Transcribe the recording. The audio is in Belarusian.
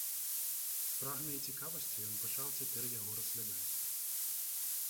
З прагнай цікавасцю ён пачаў цяпер яго разглядаць.